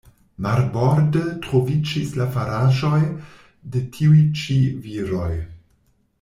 Marborde, troviĝis la faraĵoj de tiuj-ĉi viroj.